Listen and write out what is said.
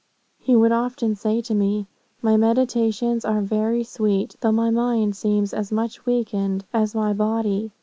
He would often say to me, 'My meditations are very sweet, though my mind seems as much weakened as my body.